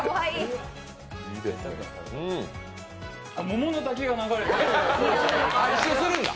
あ、桃の滝が流れてます。